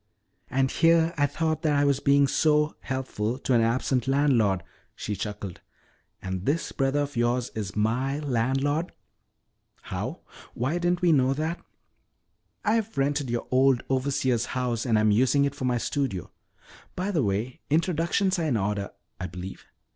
"And here I thought that I was being oh so helpful to an absent landlord," she chuckled. "And this brother of yours is my landlord!" "How ? Why, we didn't know that." "I've rented your old overseer's house and am using it for my studio. By the way, introductions are in order, I believe.